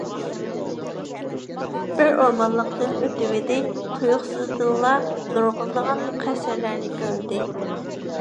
بىر ئورمانلىقتىن ئۆتۈۋىدى، تۇيۇقسىزدىنلا نۇرغۇنلىغان قەسىرلەرنى كۆردى.